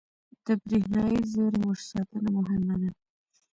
• د برېښنايي زېرمو ساتنه مهمه ده.